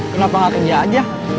kenapa gak kerja aja